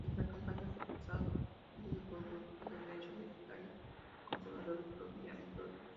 Durante la campaña fue apoyado por grupos de derecha, libertarios, conservadores, provida, entre otros.